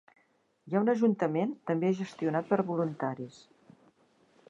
Hi ha un ajuntament, també gestionat per voluntaris.